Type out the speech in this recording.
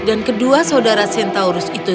kedua saudara centaurus itu